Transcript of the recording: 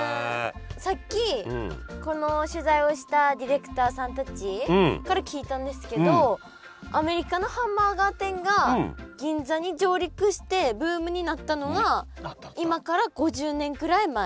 さっきこの取材をしたディレクターさんたちから聞いたんですけどアメリカのハンバーガー店が銀座に上陸してブームになったのは今から５０年ぐらい前。